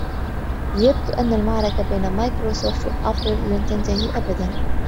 يبدو ان المعركه بين مايكرسوفت و ابل لن تنتهي ابد